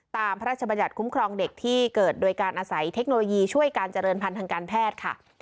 พระราชบัญญัติคุ้มครองเด็กที่เกิดโดยการอาศัยเทคโนโลยีช่วยการเจริญพันธ์ทางการแพทย์ค่ะ